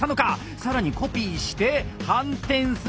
更にコピーして反転する。